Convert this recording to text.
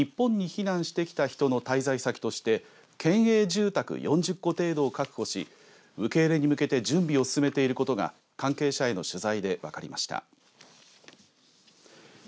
静岡県が日本に避難してきた人の滞在先として県営住宅４０戸程度を確保し受け入れに向けて準備を進めていることが関係者への取材で分かりました。